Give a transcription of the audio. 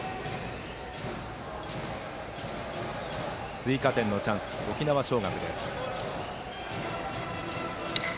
追加点のチャンス沖縄尚学です。